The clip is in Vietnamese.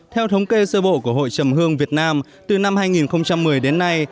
theo thống kê sơ bộ của hội chầm hương việt nam từ năm hai nghìn một mươi đến nay